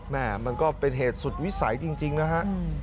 แม่มันก็เป็นเหตุสุดวิสัยจริงนะฮะ